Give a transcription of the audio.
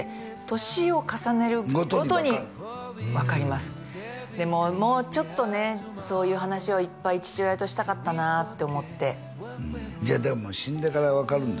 年を重ねるごとにごとに分かる分かりますでももうちょっとねそういう話をいっぱい父親としたかったなって思ってうんいやでも死んでから分かるんですよ